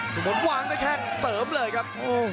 ทุกคนวางได้แข้งเสริมเลยครับ